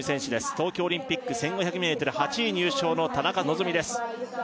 東京オリンピック１５００ｍ８位入賞の田中希実です